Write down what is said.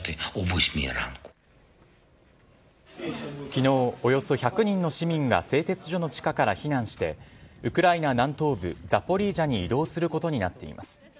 きのう、およそ１００人の市民が製鉄所の地下から避難して、ウクライナ南東部ザポリージャに移動することになっています。